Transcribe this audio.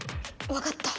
わかった。